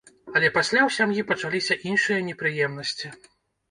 Але пасля ў сям'і пачаліся іншыя непрыемнасці.